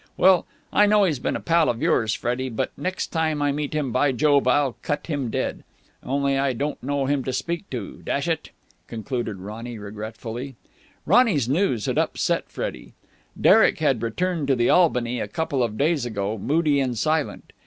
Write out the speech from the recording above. Well, I know he's been a pal of yours, Freddie, but, next time I meet him, by Jove, I'll cut him dead. Only I don't know him to speak to, dash it!" concluded Ronny regretfully. Ronny's news had upset Freddie. Derek had returned to the Albany a couple of days ago, moody and silent.